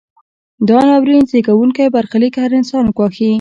دا ناورین زیږوونکی برخلیک هر انسان ګواښي.